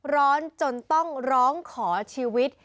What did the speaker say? ร้อนจนต้องร้องขอชีวิต